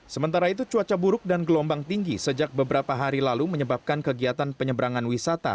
sementara itu cuaca buruk dan gelombang tinggi sejak beberapa hari lalu menyebabkan kegiatan penyeberangan wisata